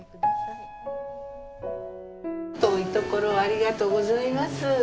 遠いところをありがとうございます。